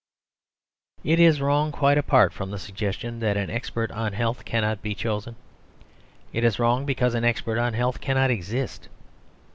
It is wrong, quite apart from the suggestion that an expert on health cannot be chosen. It is wrong because an expert on health cannot exist.